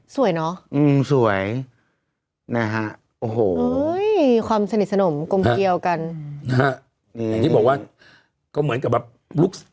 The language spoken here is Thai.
เนอะอืมสวยนะฮะโอ้โหความสนิทสนมกลมเกียวกันนะฮะนี่อย่างที่บอกว่าก็เหมือนกับแบบลุก